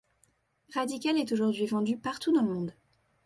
Radical est aujourd'hui vendu partout dans le monde.